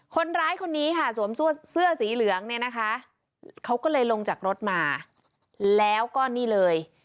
คนร้ายคนนี้ค่ะสวมเสื้อสีเหลืองเนี่ยนะคะเขาก็เลยลงจากรถมาแล้วก็นี่เลย